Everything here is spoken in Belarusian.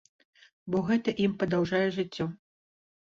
Бо гэта ім падаўжае жыццё.